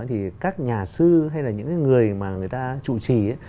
thì các nhà sư hay là những người mà người ta trụ trì ấy